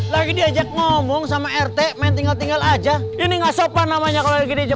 lagi diajak ngomong sama rt main tinggal tinggal aja ini gak sopan namanya kalau gini